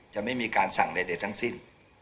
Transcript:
จะไม่มีการสั่งใดทั้งสิ้น